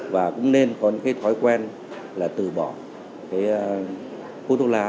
và cũng nên có những thói quen là từ bỏ hút thuốc lá